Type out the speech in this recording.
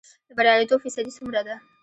د بریالیتوب فیصدی څومره ده؟